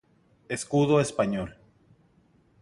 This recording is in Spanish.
Escudo español.